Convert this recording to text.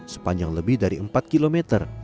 sepanjang lebih dari empat kilometer